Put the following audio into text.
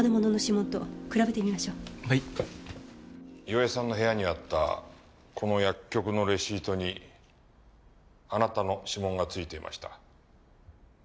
岩井さんの部屋にあったこの薬局のレシートにあなたの指紋がついていました。